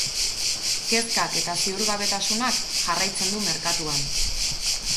Kezkak eta ziurgabetasunak jarraitzen du merkatuan.